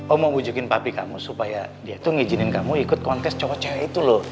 oh mau bujukin papi kamu supaya dia tuh ngizinin kamu ikut kontes cowok cowok itu loh